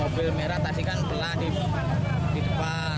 mobil merah tadi kan telah di depan